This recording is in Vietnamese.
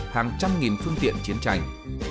hàng trăm nghìn phương tiện chiến tranh